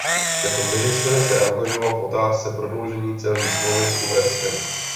Jako ministr se angažoval v otázce prodloužení celní smlouvy s Uherskem.